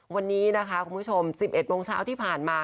วันนี้นะคะคุณผู้ชม๑๑โมงเช้าที่ผ่านมา